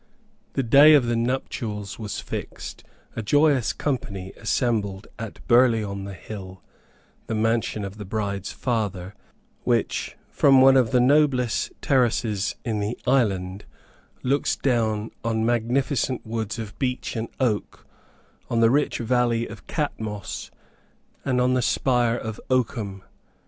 The day of the nuptials was fixed; a joyous company assembled at Burley on the Hill, the mansion of the bride's father, which, from one of the noblest terraces in the island, looks down on magnificent woods of beech and oak, on the rich valley of Catmos, and on the spire of Oakham.